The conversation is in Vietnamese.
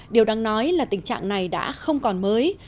điều đáng nói là tình trạng này đã không còn mới